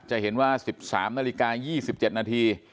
จะเห็นว่า๑๓นาฬิกา๒๗นาที